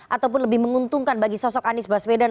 ataupun lebih menguntungkan bagi sosok anies baswedan